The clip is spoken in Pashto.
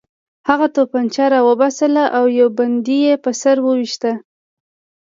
هغه توپانچه راوباسله او یو بندي یې په سر وویشت